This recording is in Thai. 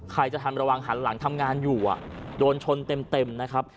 ใครจะทันระวังหันหลังทำงานอยู่โดนชนเต็มนะครับ